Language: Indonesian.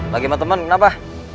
lagi sama teman kenapa